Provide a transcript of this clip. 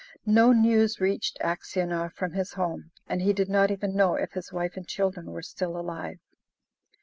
No news reached Aksionov from his home, and he did not even know if his wife and children were still alive.